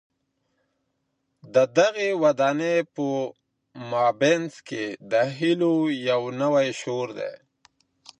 د دغي ودانۍ په مابينځ کي د هیلو یو نوی شور دی.